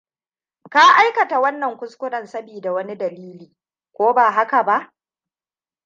Ka aikata wannan kuskuren sabida wani dalili, ko ba haka ba?